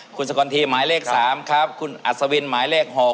คุณสกลทีหมายเลข๓ครับคุณอัศวินหมายเลข๖